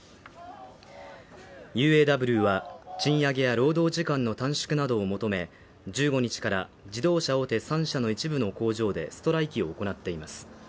ＵＡＷは賃上げや労働時間の短縮などを求め１５日から自動車大手３社の一部の工場でストライキを行っています